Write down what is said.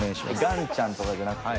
ガンちゃんとかじゃなくて？